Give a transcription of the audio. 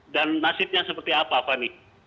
dan nasibnya seperti apa fani